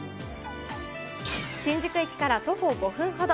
新宿駅から徒歩５分ほど。